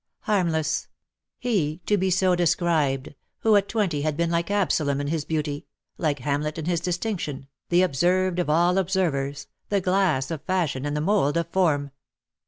Harmless! He, to be so described, who at twenty had been like Absalom in his beauty — like Hamlet in his distinction, "the observed of all observ'ers, the glass of fashion and the mould of form."